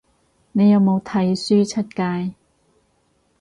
你有冇剃鬚出街